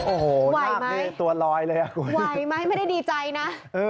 โอ้โหตัวลอยเลยไหวไหมไม่ได้ดีใจนะ